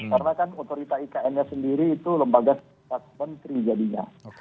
karena kan otorita ikn nya sendiri itu lembaga sempat menteri jadinya